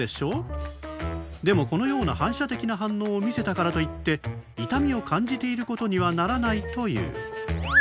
でもこのような反射的な反応を見せたからといって痛みを感じていることにはならないという。